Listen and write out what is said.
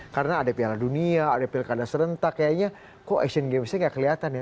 karena ada piala dunia ada piala kandas renta kayaknya kok asian games nya nggak kelihatan ya